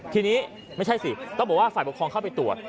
ทีนี้ไม่ใช่สิต้องบอกว่าฝ่ายปกครองเข้าไปตรวจ